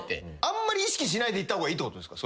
あんまり意識しないで行った方がいいってことですか？